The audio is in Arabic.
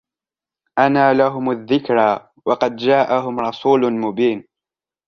أنى لهم الذكرى وقد جاءهم رسول مبين